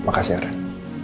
makasih ya ren